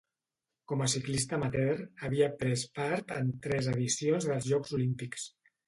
Com a ciclista amateur, havia pres part en tres edicions dels Jocs Olímpics.